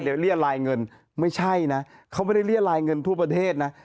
เดี๋ยวเรียรายเงินไม่ใช่นะเขาไม่ได้เรียรายเงินทั่วประเทศนะ